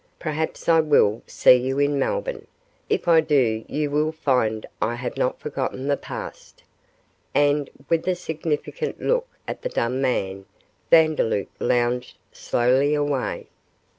Perhaps I will see you in Melbourne; if I do you will find I have not forgotten the past,' and, with a significant look at the dumb man, Vandeloup lounged slowly away.